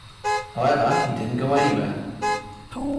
However he didn’t go anywhere.